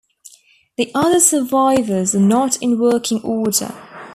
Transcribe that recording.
The other survivors are not in working order.